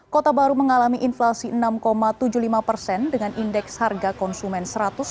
kota baru mengalami inflasi enam tujuh puluh lima persen dengan indeks harga konsumen satu ratus tujuh puluh